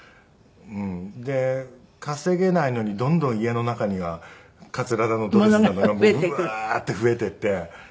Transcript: で稼げないのにどんどん家の中にはカツラだのドレスだのがブワーッて増えていって。